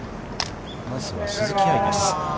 まずは鈴木愛です。